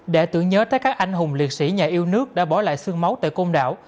để tưởng nhớ tới các anh hùng liệt sĩ nhà yêu nước đã bỏ lại sương máu tại công đảo